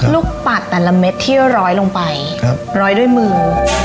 ลูกปัดแต่ละเม็ดที่จะร้อยลงไปครับร้อยด้วยมือ